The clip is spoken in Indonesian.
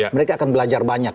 mereka akan belajar banyak